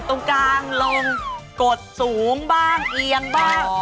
ตรงกลางลงกดสูงบ้างเอียงบ้าง